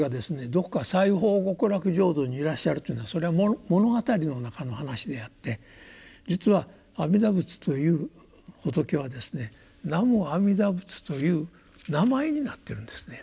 どこか西方極楽浄土にいらっしゃるというのはそれは物語の中の話であって実は阿弥陀仏という仏はですね「南無阿弥陀仏」という名前になってるんですね。